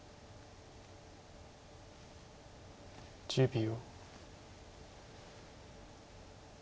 １０秒。